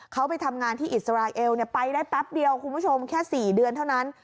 เขาไปทำงานที่อิสราเอลไปได้แป๊บเดียวคุณผู้ชมแค่๔เดือนเท่านั้น